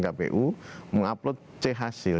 kpu meng upload c hasil